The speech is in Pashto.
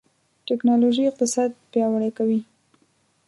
ټکنالوژي اقتصاد پیاوړی کوي.